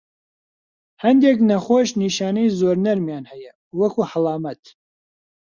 هەندێک نەخۆش نیشانەی زۆر نەرمیان هەیە، وەکو هەڵامەت.